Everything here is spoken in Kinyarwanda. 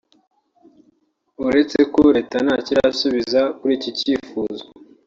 uretse ko Leta ntacyo irasubiza kuri iki cyifuzo